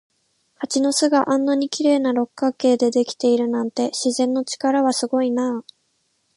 蜂の巣があんなに綺麗な六角形でできているなんて、自然の力はすごいなあ。